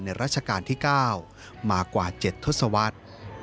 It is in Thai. ราชการที่๙มากว่า๗ทศวรรษ